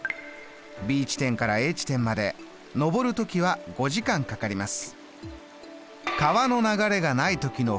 Ｂ地点からＡ地点まで上る時は５時間かかります。